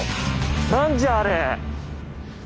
何じゃあれ！